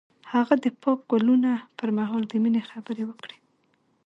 هغه د پاک ګلونه پر مهال د مینې خبرې وکړې.